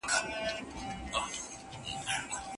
که ميرمن ناروغه وي نو خاوند به څه اقدام کوي؟